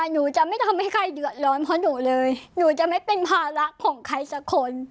หนูจะไม่ทำให้ใครเดือดร้อนเพราะหนูเลยหนูจะไม่เป็นภาระของใครสักคน